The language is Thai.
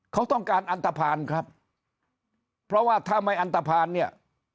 เขาต้องการอันตภัณฑ์ครับเพราะว่าถ้าไม่อันตภัณฑ์เนี่ย